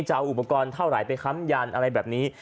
จะเอาอุปกรณ์เท่าไหร่ไปค้ำยันอะไรแบบนี้